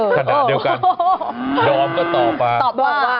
ขณะเดียวกันดอมก็ตอบมาตอบว่ามา